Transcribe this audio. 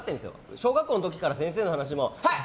小学校の時から先生の話もはい！